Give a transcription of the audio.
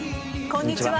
こんにちは。